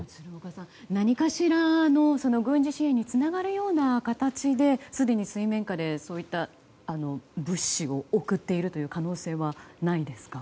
何かしらの軍事支援につながるような形ですでに水面下で物資を送っている可能性はないですか？